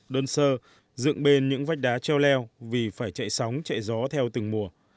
đơn sơ dựng bên những vách đá treo leo vì phải chạy sóng chạy gió theo từng mùa